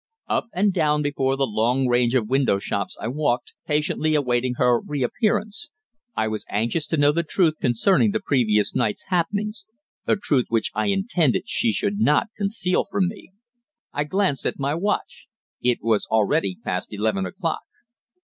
Up and down before the long range of shop windows I walked, patiently awaiting her reappearance. I was anxious to know the truth concerning the previous night's happenings a truth which I intended she should not conceal from me. I glanced at my watch. It was already past eleven o'clock.